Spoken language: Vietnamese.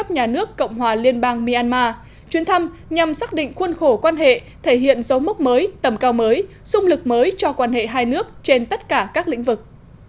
nhà nước cộng hòa liên bang myanmar chuyến thăm nhằm xác định khuôn khổ quan hệ thể hiện dấu mốc mới tầm cao mới sung lực mới cho quan hệ hai nước trên tất cả các lĩnh vực